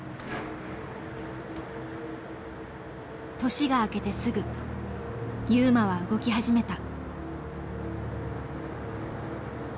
年が明けてすぐ優真は動き始めた。